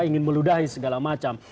ingin meludahi segala macam